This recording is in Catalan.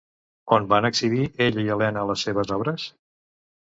On van exhibir, ella i Elena, les seves obres?